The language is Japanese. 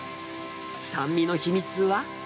酸味の秘密は。